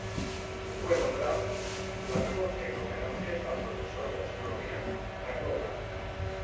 Fue nombrado Blanco en homenaje al profesor de astronomía "Carlo Blanco".